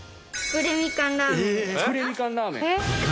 福来みかんラーメン！